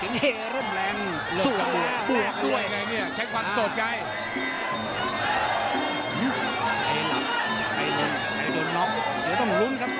มีมีสะดุดนะ